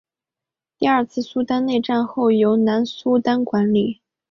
第二次苏丹内战后由南苏丹管理。